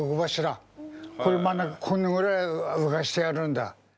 これ真ん中このぐらい浮かせてあるんだ。